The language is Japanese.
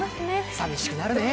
寂しくなるねぇ。